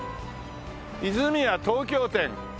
「泉屋東京店」